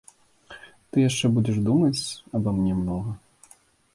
Ты яшчэ будзеш думаць аба мне многа.